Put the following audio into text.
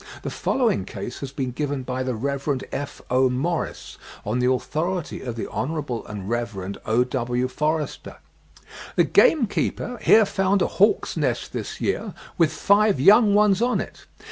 (8. The following case has been given ('The Times,' Aug. 6, 1868) by the Rev. F.O. Morris, on the authority of the Hon. and Rev. O.W. Forester. "The gamekeeper here found a hawk's nest this year, with five young ones on it.